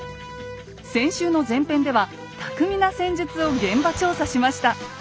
先週の前編では巧みな戦術を現場調査しました。